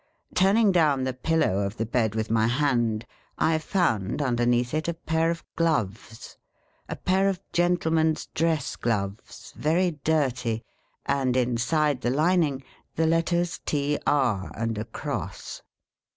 Turning down the pillow of the bed with my hand, I found, underneath it, a pair of gloves. A pair of gentleman's dress gloves, very dirty ; and inside the lining, the letters TR, and a cross.